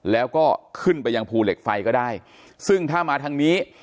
แล้วก็ขึ้นไปยังภูเหล็กไฟก็ได้ซึ่งถ้ามาทางนี้